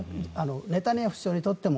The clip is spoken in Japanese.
ネタニヤフ首相にとっても。